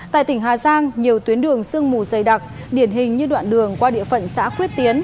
tại tỉnh hà giang nhiều tuyến đường sương mù dày đặc điển hình như đoạn đường qua địa phận xã quyết tiến